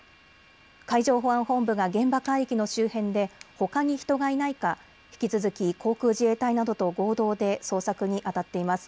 海上保安本部が現場海域の周辺でほかに人がいないか引き続き航空自衛隊などと合同で捜索にあたっています。